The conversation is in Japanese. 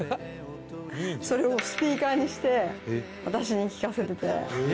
それをスピーカーにして私に聞かせてて。